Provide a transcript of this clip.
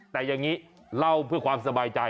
แต่อย่างนี้เล่าเพื่อความสบายใจ